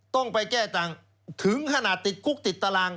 ต้องไปแก้ต่างถึงขนาดติดคุกติดตาราง